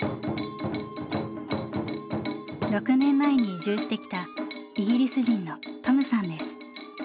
６年前に移住してきたイギリス人のトムさんです。